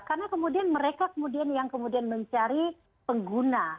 karena kemudian mereka yang kemudian mencari pengguna